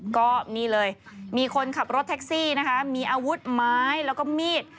ก็นี่เลยมีคนขับรถแท็กซี่นะคะมีอาวุธไม้แล้วก็มีด